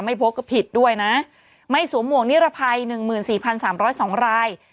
ไม่พกก็ผิดด้วยนะไม่สูงหมวงนิรภัยหนึ่งหมื่นสี่พันสามร้อยสองราย